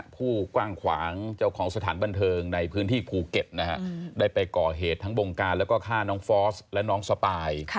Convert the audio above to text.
ผู้กว้างขวางเจ้าของสถานบันเทิงในพื้นที่ภูเก็ตนะฮะได้ไปก่อเหตุทั้งวงการแล้วก็ฆ่าน้องฟอสและน้องสปาย